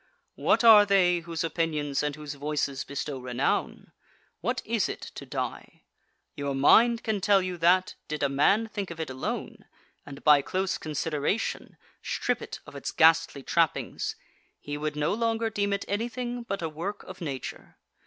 What are they whose opinions and whose voices bestow renown? What is it to die? Your mind can tell you that, did a man think of it alone, and, by close consideration, strip it of its ghastly trappings, he would no longer deem it anything but a work of Nature.